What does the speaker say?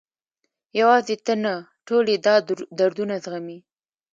یوازې ته نه، ټول یې دا دردونه زغمي.